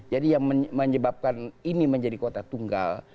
jadi yang menyebabkan ini menjadi kota tunggal